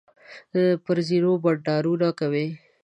پر زینو بنډارونه کوي.